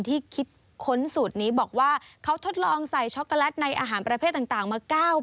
คิดค้นสูตรนี้บอกว่าเขาทดลองใส่ช็อกโกแลตในอาหารประเภทต่างมา๙ปี